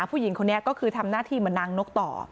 ผู้หญิงคนนี้ก็คือทำหน้าที่เหมือนนางนกต่อ